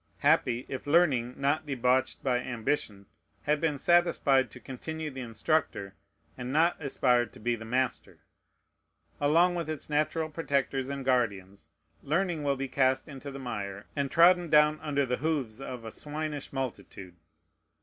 Happy, if learning, not debauched by ambition, had been satisfied to continue the instructor, and not aspired to be the master! Along with its natural protectors and guardians, learning will be cast into the mire and trodden down under the hoofs of a swinish multitude.